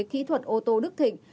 kỹ thuật ô tô đức thịnh